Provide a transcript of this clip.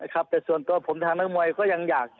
แต่ส่วนตัวผมทางนักมวยก็ยังอยากจะ